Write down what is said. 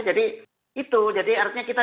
jadi itu jadi artinya kita